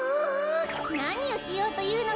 なにをしようというのだ！